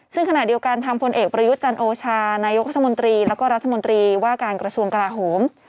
ซึ่งขณะเดียวกันทางพลเอกประยุทธ์จันโอชานายกรัฐมนตรีแล้วก็รัฐมนตรีว่าการกระทรวงกลาโหม